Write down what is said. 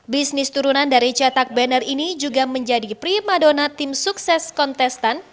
bisnis turunan dari cetak banner ini juga menjadi prima dona tim sukses kontestan